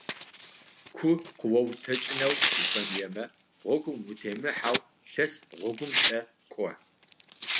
Ку къыоутэкӏынэу уфэмыемэ гъогум утемыхьэу лъэс гъогумкӏэ кӏо.